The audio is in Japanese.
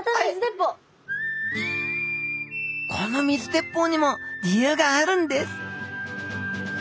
この水鉄砲にも理由があるんです